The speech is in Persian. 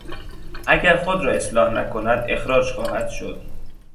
اگر خود را اصلاح نکند اخراج خواهد شد.